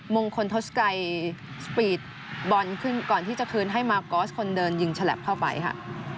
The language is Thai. มงคลทศกัยสปีดบอลขึ้นก่อนที่จะคืนให้มากอสคนเดินยิงฉลับเข้าไปค่ะ